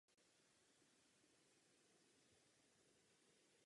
Několik dní zde pobyl při svých cestách i Marco Polo.